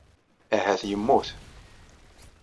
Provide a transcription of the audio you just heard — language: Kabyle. Ahat yemmut.